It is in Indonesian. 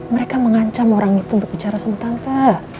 mereka mengancam orang itu untuk bicara sama tante